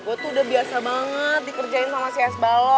gue tuh udah biasa banget dikerjain sama cs balok